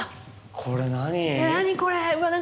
これ何？